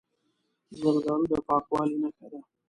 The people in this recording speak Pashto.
زردالو د پاکوالي نښه ده.